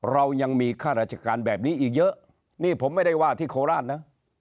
เรายังมีค่าราชการแบบนี้อีกเยอะนี่ผมไม่ได้ว่าที่โคราชนะ